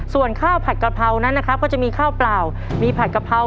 ส่วนข้าวผัดกะเพรานั้นนะครับก็จะมีข้าวเปล่ามีผัดกะเพรา